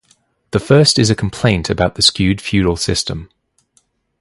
The first is a complaint about the skewed feudal system.